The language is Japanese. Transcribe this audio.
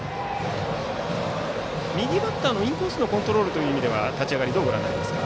右バッターのインコースのコントロールという意味では立ち上がりどうご覧になりますか。